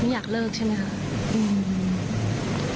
ไม่อยากเลิกใช่ไหมครับ